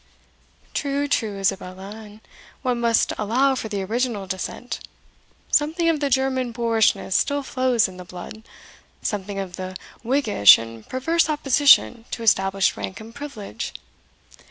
"True, true, Isabella; and one must allow for the original descent; something of the German boorishness still flows in the blood; something of the whiggish and perverse opposition to established rank and privilege.